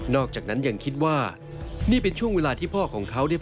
อกจากนั้นยังคิดว่านี่เป็นช่วงเวลาที่พ่อของเขาเนี่ย